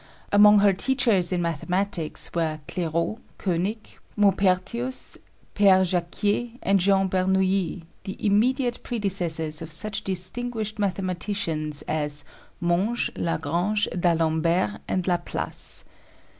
Among her teachers in mathematics were Clairaut, Koenig, Maupertuis, Père Jaquier and Jean Bernouilli, the immediate predecessors of such distinguished mathematicians as Monge, Lagrange, d'Alembert and Laplace.